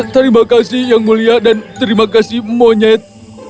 terima kasih yang mulia dan terima kasih monyet